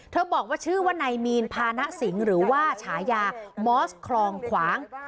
บอกว่าชื่อว่านายมีนพานะสิงห์หรือว่าฉายามอสคลองขวาง